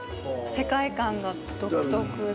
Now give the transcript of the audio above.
世界観が独特で。